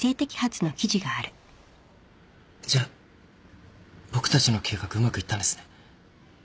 じゃあ僕たちの計画うまくいったんですね？